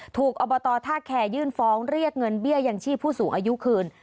อบตท่าแคร์ยื่นฟ้องเรียกเงินเบี้ยยังชีพผู้สูงอายุคืน